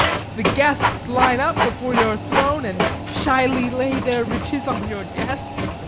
The guests line up before your throne and shyly lay their riches on your desk.